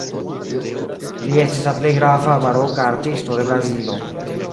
Li estis la plej grava baroka artisto de Brazilo.